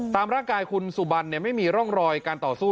ตามร่างกายคุณสุบันไม่มีร่องรอยการต่อสู้